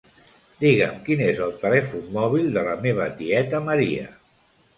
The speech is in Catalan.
Digue'm quin és el telèfon mòbil de la meva tieta Maria.